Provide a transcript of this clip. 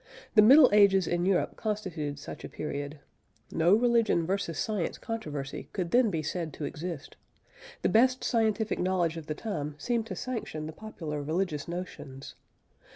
The Middle Ages in Europe constituted such a period; no "Religion v. Science" controversy could then be said to exist; the best scientific knowledge of the time seemed to sanction the popular religious notions.